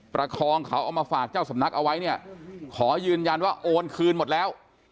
ประคองเขาเอามาฝากเจ้าสำนักเอาไว้เนี่ยขอยืนยันว่าโอนคืนหมดแล้ว